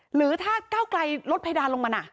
หรือถ้าก้าวไกลลดเพดานลงมาน่ะ